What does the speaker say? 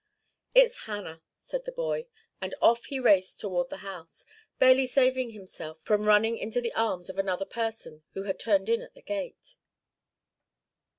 'It's Hannah,' said the boy; and off he raced toward the house, barely saving himself from running into the arms of another person who had turned in at the gate.